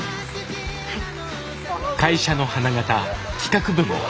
はい。